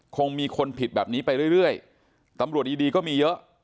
คงมีคนผิดแบบนี้ไปเรื่อยตำรวจดีดีก็มีเยอะ